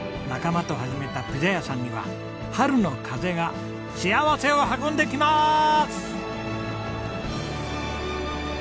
仲間と始めたピザ屋さんには春の風が幸せを運んできます！